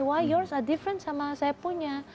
why yours are different sama saya punya